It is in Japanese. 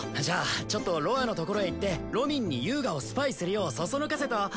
じゃあちょっとロアのところへ行ってロミンに遊我をスパイするようそそのかせと。